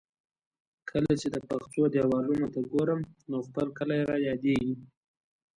کله چې د پسخو دېوالونو ته ګورم، نو خپل کلی را یادېږي.